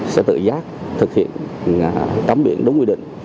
sẽ tự giác thực hiện cấm biển đúng quy định